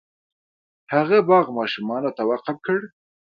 هغه باغ ماشومانو ته وقف کړ.